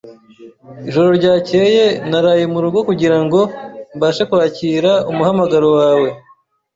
Ijoro ryakeye naraye murugo kugirango mbashe kwakira umuhamagaro wawe.